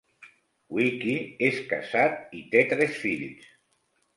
Wicki és casat i té tres fills.